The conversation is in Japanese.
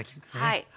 はい。